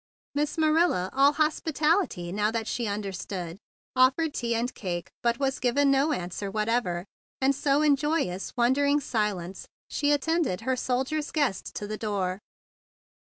Miss Marilla, all hospitality now that she understood, offered tea and cake, but was vouch¬ safed no answer whatever; and so in joyous, wondering silence she attended her soldier's guest to the door.